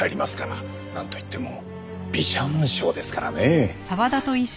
なんといっても美写紋賞ですからね！